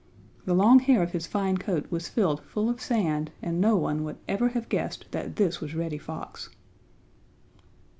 The long hair of his fine coat was filled full of sand and no one would ever have guessed that this was Reddy Fox.